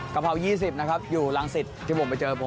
กะเพรา๒๐นะครับอยู่รังสิตที่ผมไปเจอผม